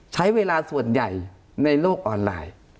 ใช้เวลาส่วนใหญ่ในโลกออนไลน์